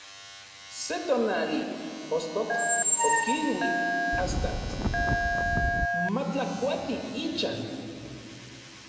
Se tonali, ostotl okilui astatl matlakuati ichan.